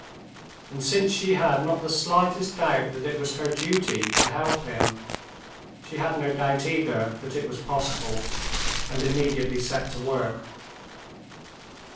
And since she had not the slightest doubt that it was her duty to help him, she had no doubt either that it was possible, and immediately set to work.